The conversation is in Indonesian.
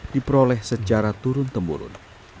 diperoleh secara turun temurun